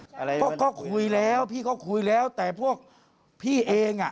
เขาก็คุยแล้วพี่เขาคุยแล้วแต่พวกพี่เอง